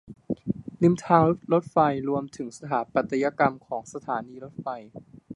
ริมทางรถไฟ รวมถึงสถาปัตยกรรมของสถานีรถไฟ